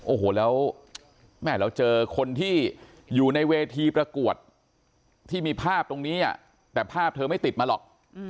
โอ้โหแล้วแม่เราเจอคนที่อยู่ในเวทีประกวดที่มีภาพตรงนี้แต่ภาพเธอไม่ติดมาหรอก